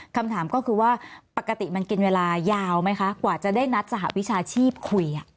คำถามก็คือว่าปกติมันกินเวลายาวไหมคะกว่าจะได้นัดสหวิชาชีพคุย